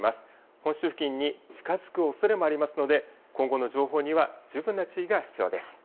本州付近に近づくおそれもありますので、今後の情報には十分な注意が必要です。